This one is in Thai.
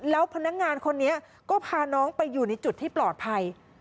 แล้วพนักงานคนนี้ก็พาน้องไปอยู่ในจุดที่ปลอดภัย